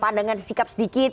padangan sikap sedikit